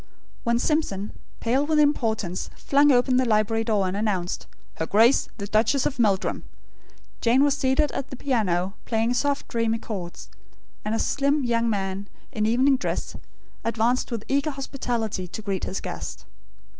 '"When Simpson, pale with importance, flung open the library door, and announced: "Her Grace, the Duchess of Meldrum," Jane was seated at the piano, playing soft dreamy chords; and a slim young man, in evening dress, advanced with eager hospitality to greet his guest.